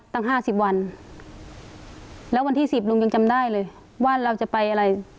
ตั้งห้าสิบวันแล้ววันที่สิบลุงยังจำได้เลย